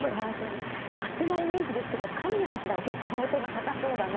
勝手なイメージですけど神谷八段は結構駒音が高そうだなと。